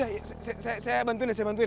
eh brother mau kita bantuin